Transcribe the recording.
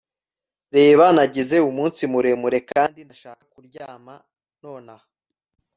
Reba Nagize umunsi muremure kandi ndashaka kuryama nonaha